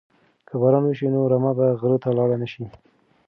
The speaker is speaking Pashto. که باران وشي نو رمه به غره ته لاړه نشي.